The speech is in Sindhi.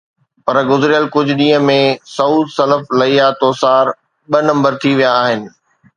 پر گذريل ڪجهه ڏينهن ۾ سعود سلف ليا توسار ٻه نمبر ٿي ويا آهن.